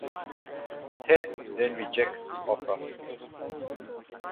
Ted then rejects the offer.